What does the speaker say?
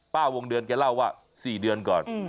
วงเดือนแกเล่าว่า๔เดือนก่อน